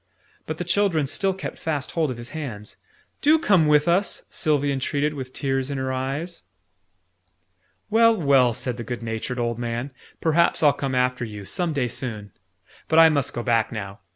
But the children still kept fast hold of his hands. "Do come with us!" Sylvie entreated with tears in her eyes. "Well, well!" said the good natured old man. "Perhaps I'll come after you, some day soon. But I must go back now.